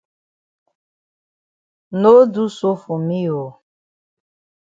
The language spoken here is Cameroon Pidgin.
No do so for me oo.